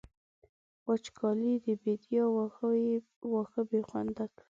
وچکالۍ د بېديا واښه بې خونده کړل.